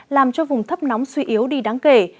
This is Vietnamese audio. làm cho vùng thấp nóng suy yếu đi đáng kể